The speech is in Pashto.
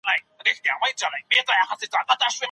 کله د رسنیو ازادي محدودیږي؟